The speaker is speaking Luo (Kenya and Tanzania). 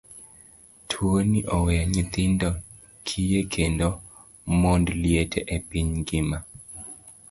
Tuoni oweyo nyithindo kiye kendo mond liete e piny ngima.